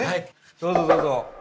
どうそどうぞ。